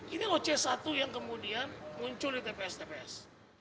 ini loh c satu yang kemudian muncul di tps tps